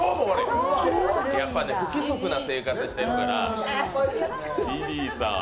やっぱり不規則な生活してるから。